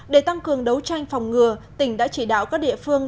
để tăng cường đấu tranh phòng ngừa tỉnh đã chỉ đạo các địa phương